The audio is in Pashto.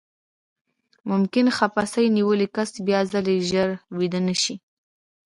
ممکن خپسه نیولی کس بیاځلې ژر ویده نه شي.